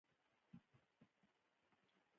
بادام د افغانانو د ژوند طرز په پوره توګه اغېزمنوي.